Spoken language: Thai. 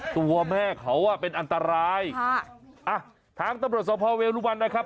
ตัวแม่เขาเป็นอันตรายทางตำรวจสวพเวลุบันนะครับ